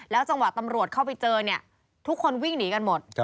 จังหวะตำรวจเข้าไปเจอเนี่ยทุกคนวิ่งหนีกันหมด